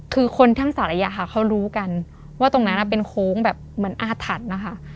คือคนทั้งสารยะค่ะเขารู้กันว่าตรงนั้นเป็นโค้งแบบเหมือนอาถรรพ์นะคะ